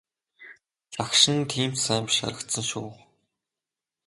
Лагшин нь тийм ч сайн биш харагдсан шүү.